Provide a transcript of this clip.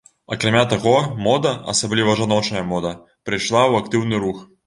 Акрамя таго, мода, асабліва жаночая мода, прыйшла ў актыўны рух.